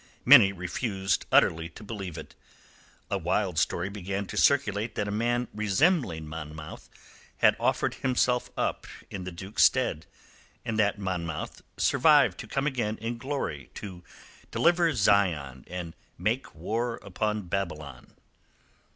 Many refused utterly to believe it. A wild story began to circulate that a man resembling Monmouth had offered himself up in the Duke's stead, and that Monmouth survived to come again in glory to deliver Zion and make war upon Babylon.